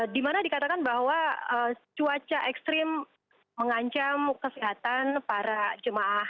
dimana dikatakan bahwa cuaca ekstrim mengancam kesehatan para jemaah